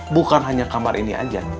bukan hanya kamar ini aja